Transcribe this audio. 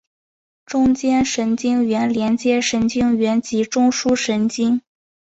中间神经元连接神经元及中枢神经。